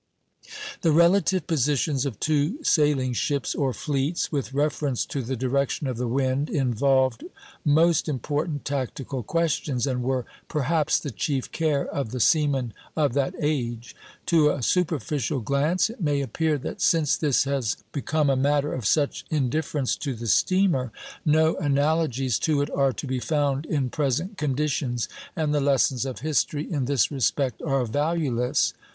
The relative positions of two sailing ships, or fleets, with reference to the direction of the wind involved most important tactical questions, and were perhaps the chief care of the seamen of that age. To a superficial glance it may appear that since this has become a matter of such indifference to the steamer, no analogies to it are to be found in present conditions, and the lessons of history in this respect are valueless.